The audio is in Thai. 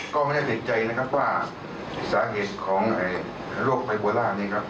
ก็ไม่ได้ติดใจนะครับว่าสาเหตุของโรคไบโพล่านี้ครับ